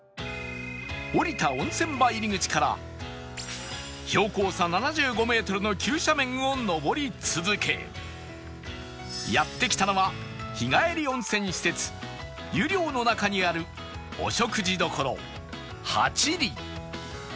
降りた温泉場入口から標高差７５メートルの急斜面を上り続けやって来たのは日帰り温泉施設湯寮の中にあるお食事処八里